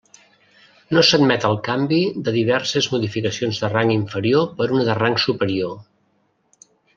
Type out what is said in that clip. No s'admet el canvi de diverses modificacions de rang inferior per una de rang superior.